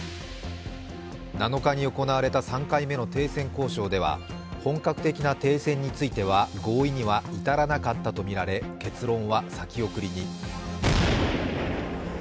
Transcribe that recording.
７日に行われた３回目の停戦交渉では本格的な停戦については合意には至らなかったとみられ、結論は先送りに。